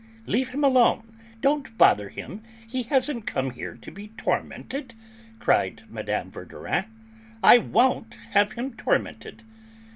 "Leave him alone; don't bother him; he hasn't come here to be tormented," cried Mme. Verdurin. "I won't have him tormented."